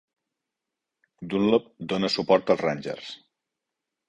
Dunlop dóna suport als Rangers.